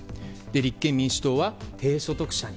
立憲民主党は低所得者に。